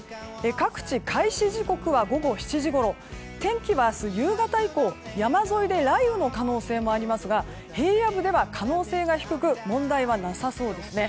各地、開始時刻は午後７時ごろ天気は明日夕方以降山沿いで雷雨の可能性もありますが平野部では可能性が低く問題はなさそうですね。